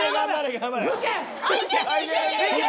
頑張れ！